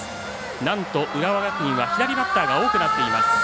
なんと浦和学院は左バッターが多くなっています。